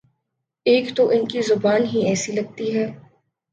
ایک تو ان کی زبان ہی ایسی لگتی ہے۔